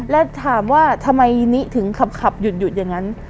แล้วถามว่าทำไมนิถึงขับหยุดอย่างนั้น